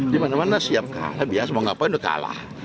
dimana mana siap kalah biasa mau ngapain udah kalah